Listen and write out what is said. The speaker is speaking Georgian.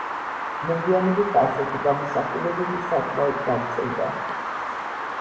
მოგვიანებით ასეთი გამოსახულებები საკმაოდ გავრცელდა.